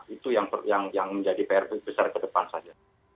itu yang menjadi pr besar ke depan saja